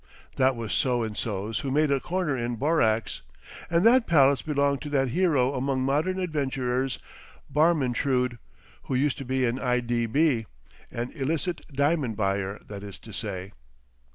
That was so and so's who made a corner in borax, and that palace belonged to that hero among modern adventurers, Barmentrude, who used to be an I.D.B.,—an illicit diamond buyer that is to say.